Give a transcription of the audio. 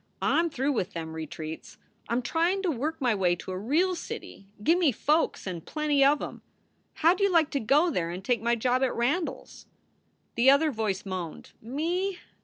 I m through with them retreats. I m tryin to work my way to a real city. Gimme folks and plenty of em. How d you like to go there and take my job at Randles s." The other voice moaned: "Me?